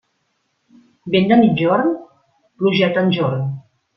Vent de migjorn?, plugeta enjorn.